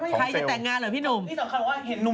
ใครจะแต่งงานเหรอพี่หนุ่ม